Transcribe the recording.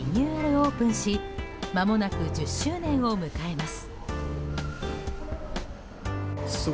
オープンしまもなく１０周年を迎えます。